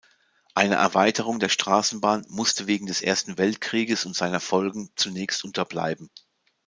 Eine Erweiterung der Straßenbahn musste wegen des Ersten Weltkrieges und seiner Folgen zunächst unterbleiben.